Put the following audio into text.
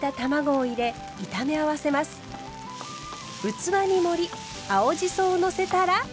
器に盛り青じそをのせたら完成。